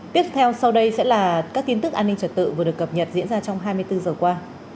tiếp theo sau đây sẽ là các tin tức an ninh trật tự vừa được cập nhật diễn ra trong hai mươi bốn giờ qua